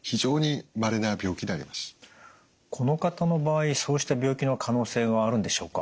この方の場合そうした病気の可能性はあるんでしょうか？